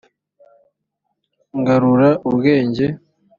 ngarura ubwenge.